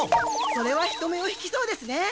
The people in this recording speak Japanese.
それは人目を引きそうですね。